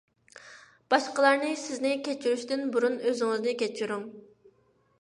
باشقىلارنى سىزنى كەچۈرۈشىدىن بۇرۇن، ئۆزىڭىزنى كەچۈرۈڭ.